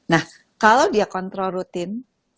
nah kalau dia kontrol rutin